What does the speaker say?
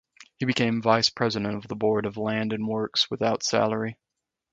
He became vice-president of the board of land and works without salary.